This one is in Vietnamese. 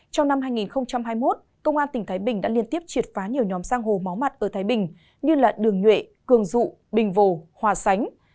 trong năm hai nghìn hai mươi một công an tỉnh thái bình đã liên tiếp triệt phá nhiều nhóm giang hồ mó mặt ở thái bình như đường nhuệ cường dụ bình vồ hòa sánh